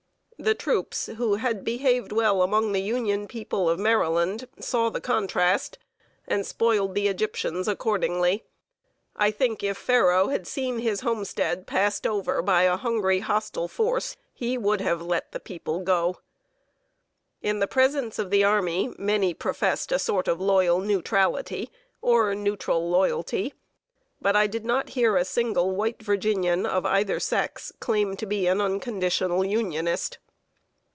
The troops, who had behaved well among the Union people of Maryland, saw the contrast, and spoiled the Egyptians accordingly. I think if Pharaoh had seen his homestead passed over by a hungry, hostile force, he would have let the people go. In the presence of the army, many professed a sort of loyal neutrality, or neutral loyalty; but I did not hear a single white Virginian of either sex claim to be an unconditional Unionist.